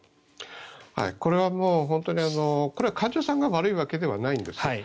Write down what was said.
これはもう本当に患者さんが悪いわけではないんです。